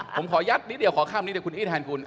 ผมขอยัดนิดเดียวขอข้ามนี้เดี๋ยวคุณอี้แทนคุณ